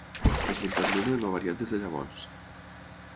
L'esmentat nombre no ha variat des de llavors.